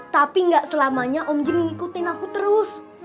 tapi gak selamanya om jin ngikutin aku terus